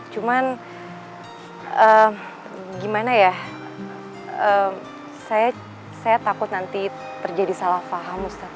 cuman gimana ya saya takut nanti terjadi salah faham